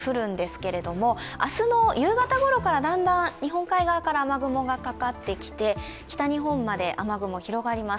その前に雨が降るんですけども、明日の夕方ごろからだんだん日本海側から雨雲がかかってきて、北日本まで雨雲が広がります。